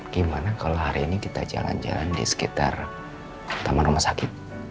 gimana kalau hari ini kita jalan jalan di sekitar taman rumah sakit